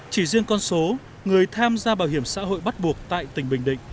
chỉ riêng con số người tham gia bảo hiểm xã hội bắt buộc tại tỉnh bình định